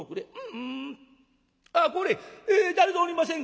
あっこれ誰ぞおりませんかな？